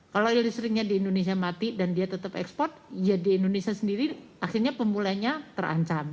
kalau listriknya di indonesia mati dan dia tetap ekspor ya di indonesia sendiri akhirnya pemulainya terancam